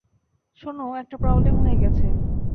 শোনো, একটা প্রবলেম হয়ে গেছে।